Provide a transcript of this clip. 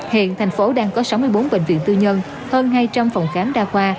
hiện thành phố đang có sáu mươi bốn bệnh viện tư nhân hơn hai trăm linh phòng khám đa khoa